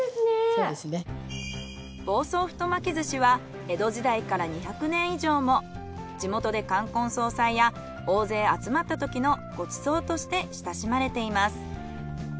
房総太巻き寿司は江戸時代から２００年以上も地元で冠婚葬祭や大勢集まったときのご馳走として親しまれています。